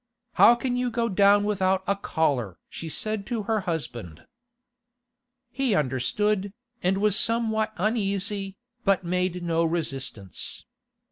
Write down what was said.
'How can you go down without a collar?' she said to her husband. He understood, and was somewhat uneasy, but made no resistance.